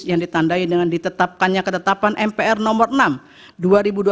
yang ditandai dengan ditetapkannya ketetapan mpr no enam dua ribu dua puluh satu tentang etika kehidupan berbangsa